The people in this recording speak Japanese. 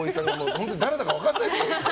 本当に誰か分からないです。